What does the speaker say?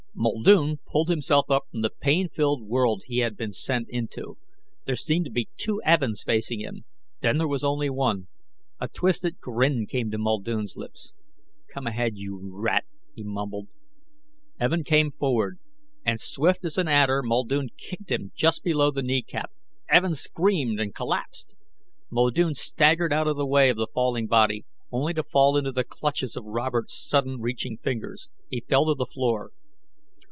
Muldoon pulled himself up from the pain filled world he had been sent into. There seemed to be two Evins facing him. Then there was only one. A twisted grin came to Muldoon's lips. "Come ahead, you rat," he mumbled. Evin came forward. And swift as an adder Muldoon kicked him just below the knee cap. Evin screamed, and collapsed. Muldoon staggered out of the way of the falling body, only to fall into the clutches of Robert's sudden reaching fingers. He fell to the floor.